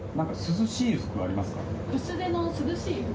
薄手の涼しい服？